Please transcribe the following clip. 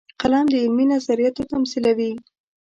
قلم د علمي نظریاتو تمثیلوي